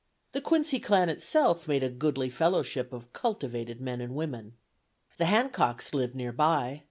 The Quincy clan itself made a goodly fellowship of cultivated men and women. The Hancocks lived near by.